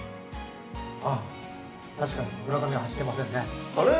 あっ確かに村上は走ってませんね。